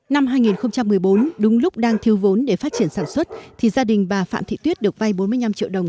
năm hai nghìn một mươi bốn đúng lúc đang thiếu vốn để phát triển sản xuất thì gia đình bà phạm thị tuyết được vay bốn mươi năm triệu đồng